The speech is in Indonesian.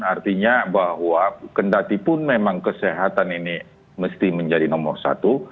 artinya bahwa kendatipun memang kesehatan ini mesti menjadi nomor satu